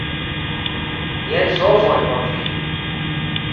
Jen solvoj por vi.